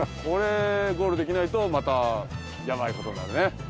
これゴールできないとまたヤバいことになるね。